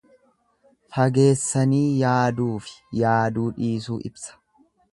Fageessanii yaaduufi yaaduu dhiisuu ibsa.